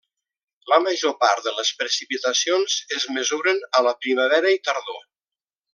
La major part de les precipitacions es mesuren a la primavera i tardor.